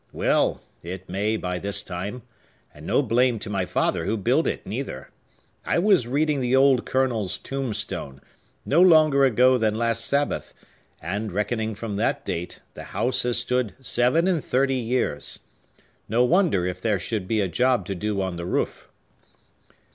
Well it may, by this time; and no blame to my father who built it, neither! I was reading the old Colonel's tombstone, no longer ago than last Sabbath; and, reckoning from that date, the house has stood seven and thirty years. No wonder if there should be a job to do on the roof."